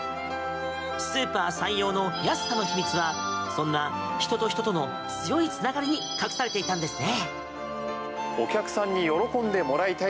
スーパーさんようの安さの秘密はそんな人と人との強いつながりに隠されていたんですね。